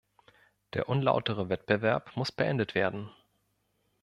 Der unlautere Wettbewerb muss beendet werden.